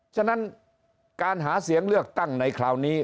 ฉะนั้นการหาเสียงเลือกตั้งในคราวนี้